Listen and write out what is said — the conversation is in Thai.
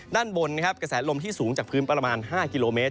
ด้านบนนะครับกระแสลมที่สูงจากพื้นประมาณ๕กิโลเมตร